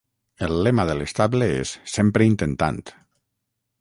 El lema de l'estable és "Sempre intentant".